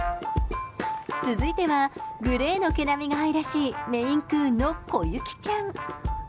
続いては、グレーの毛並みが愛らしいメインクーンのこゆきちゃん。